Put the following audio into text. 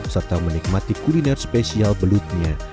serta menikmati kuliner spesial belutnya